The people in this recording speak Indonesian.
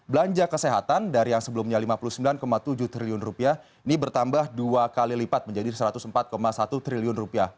belanja kesehatan dari yang sebelumnya rp lima puluh sembilan tujuh triliun ini bertambah dua kali lipat menjadi rp satu ratus empat satu triliun